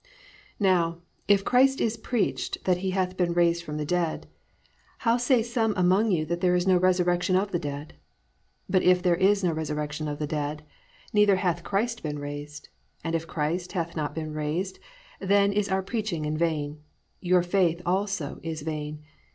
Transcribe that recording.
"Now, if Christ is preached that he hath been raised from the dead, how say some among you that there is no resurrection of the dead? But if there is no resurrection of the dead, neither hath Christ been raised: and if Christ hath not been raised, then is our preaching vain, your faith also is vain.